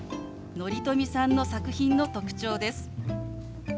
乘富さんの作品の特徴です。